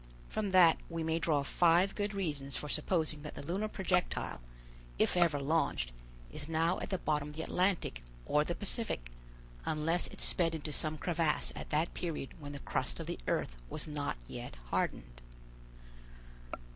From that we may draw five good reasons for supposing that the lunar projectile, if ever launched, is now at the bottom of the Atlantic or the Pacific, unless it sped into some crevasse at that period when the crust of the earth was not yet hardened."